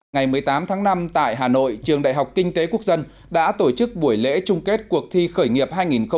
ngày một mươi tám tháng năm tại hà nội trường đại học kinh tế quốc dân đã tổ chức buổi lễ trung kết cuộc thi khởi nghiệp hai nghìn một mươi chín